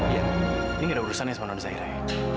iya ini nggak ada urusan sama non zahirah ya